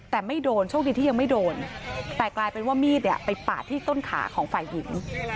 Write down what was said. แต่ไม่โดนโชคดีที่ยังไม่โดนแต่กลายเป็นว่ามีดเนี่ยไปปาดที่ต้นขาของฝ่ายหญิง